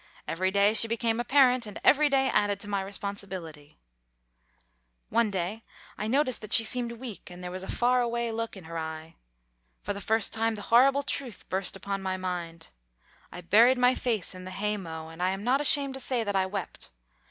Every day she became a parent, and every day added to my responsibility. [Illustration: SUCCESS WITH CHICKENS.] One day I noticed that she seemed weak and there was a far away look in her eye. For the first time the horrible truth burst upon my mind. I buried my face in the haymow and I am not ashamed to say that I wept.